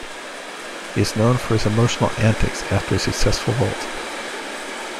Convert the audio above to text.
He is known for his emotional antics after a successful vault.